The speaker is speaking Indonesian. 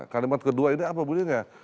kalimat kedua ini apa bu buniyani ya